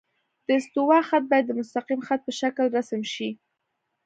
د استوا خط باید د مستقیم خط په شکل رسم شي